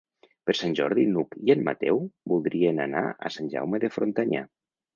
Per Sant Jordi n'Hug i en Mateu voldrien anar a Sant Jaume de Frontanyà.